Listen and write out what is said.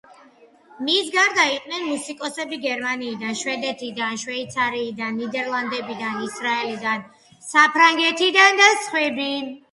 მის გარდა იყვნენ, მუსიკოსები გერმანიიდან, შვედეთიდან, შვეიცარიიდან, ნიდერლანდებიდან, ისრაელიდან, საფრანგეთიდან და სხვები.